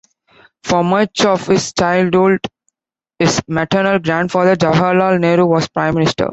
For much of his childhood, his maternal grandfather Jawaharlal Nehru was Prime Minister.